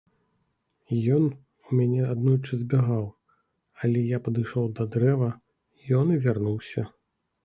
Ён у мяне аднойчы збягаў, але я падышоў да дрэва, ён і вярнуўся.